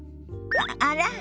あら？